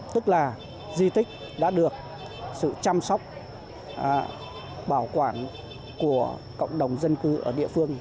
tức là di tích đã được sự chăm sóc bảo quản của cộng đồng dân cư ở địa phương